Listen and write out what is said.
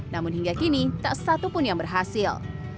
namun hingga kini tak satupun yang berhasil